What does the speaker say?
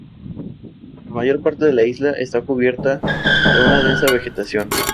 La mayor parte de la isla está cubierta de una densa vegetación.